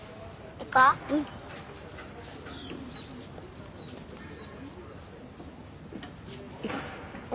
行こう。